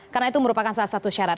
karena itu merupakan salah satu syarat